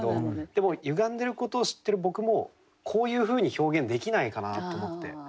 でも歪んでることを知ってる僕もこういうふうに表現できないかなと思って。